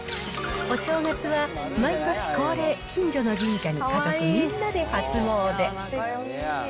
お正月は毎年恒例、近所の神社に家族みんなで初詣。